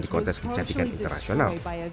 di kontes kecantikan internasional